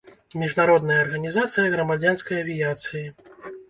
Міжнародная арганізацыя грамадзянскай авіяцыі.